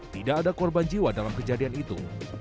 tidak ada korban jiwa dalam kejadian itu